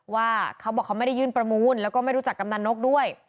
ว่าเขาบอกเขาไม่ได้ยื่นประมูลแล้วก็ไม่รู้จักกำนันนกด้วย